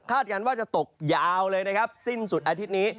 การว่าจะตกยาวเลยนะครับสิ้นสุดอาทิตย์นี้